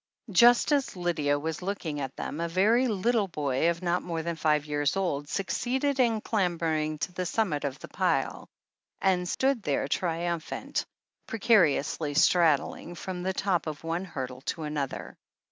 Just as Lydia was looking at them, a very little boy of not more than five years old succeeded in clambering to the summit of the pile, and stool there triumphant, precariously straddling from the top of one hurdle to another.